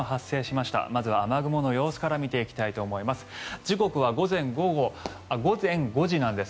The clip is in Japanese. まずは雨雲の様子から見ていきたいと思います。